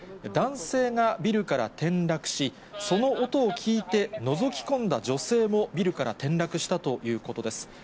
男性がビルから転落し、その音を聞いて、のぞき込んだ女性もビルから転落したということです。